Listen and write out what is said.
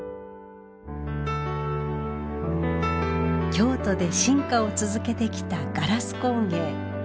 京都で進化を続けてきたガラス工芸。